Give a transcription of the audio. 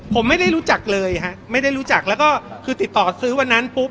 ผมไม่ได้รู้จักเลยฮะไม่ได้รู้จักแล้วก็คือติดต่อซื้อวันนั้นปุ๊บ